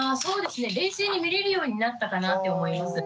冷静に見れるようになったかなって思います。